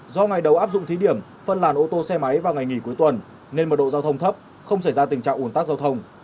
do ngày đầu áp dụng thí điểm phân làn ô tô xe máy vào ngày nghỉ cuối tuần nên mật độ giao thông thấp không xảy ra tình trạng ủn tắc giao thông